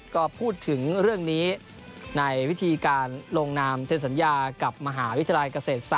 ก็พูดถึงเรื่องนี้ในวิธีการลงนามเซ็นสัญญากับมหาวิทยาลัยเกษตร๓